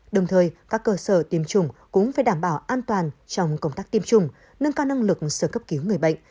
đồng thời các cơ sở tiêm chủng cũng phải đảm bảo an toàn trong công tác tiêm chủng nâng cao năng lực sơ cấp cứu người bệnh